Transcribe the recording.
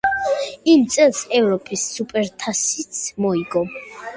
იმ წელს ევროპის სუპერთასიც მოიგო.